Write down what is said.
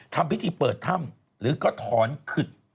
ทำพิธีเปิดถ้ำหรือก็ถอนขึด